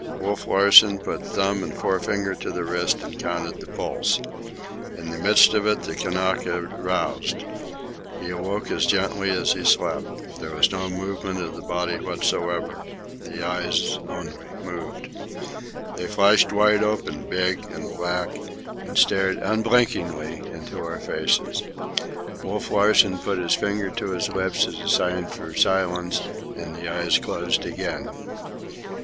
Wolf Larsen put thumb and forefinger to the wrist and counted the pulse. In the midst of it the Kanaka roused. He awoke as gently as he slept. There was no movement of the body whatever. The eyes, only, moved. They flashed wide open, big and black, and stared, unblinking, into our faces. Wolf Larsen put his finger to his lips as a sign for silence, and the eyes closed again.